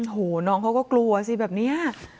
โหน้องเขาก็กลัวสิแบบนี้